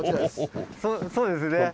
そうですね。